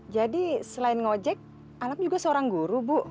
jadi selain ngojek alam juga seorang guru bu